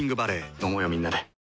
飲もうよみんなで。